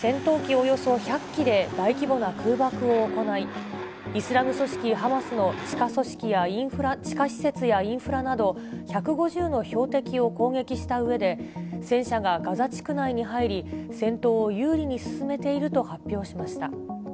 およそ１００機で大規模な空爆を行い、イスラム組織ハマスの地下施設やインフラなど、１５０の標的を攻撃したうえで、戦車がガザ地区内に入り、戦闘を有利に進めていると発表しました。